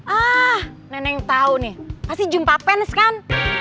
ah nenek tau nih pasti jumpa pens kan